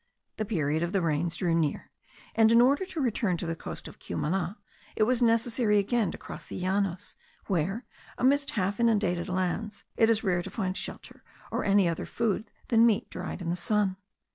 The period of the rains drew near; and in order to return to the coast of Cumana, it was necessary again to cross the Llanos, where, amidst half inundated lands, it is rare to find shelter, or any other food than meat dried in the sun.